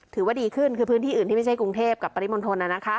ถือว่าดีขึ้นคือพื้นที่อื่นที่ไม่ใช่กรุงเทพกับปริมณฑล